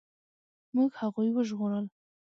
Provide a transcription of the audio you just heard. موږ هغوی وژغورل.